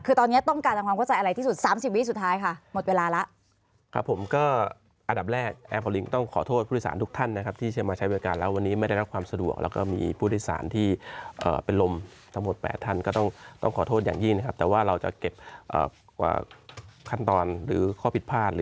คือตอนนี้ต้องการความเข้าใจอะไรที่สุด